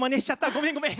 ごめんごめん。